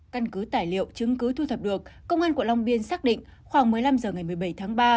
căn cứ tài liệu chứng cứ thu thập được công an quận long biên xác định khoảng một mươi năm h ngày một mươi bảy tháng ba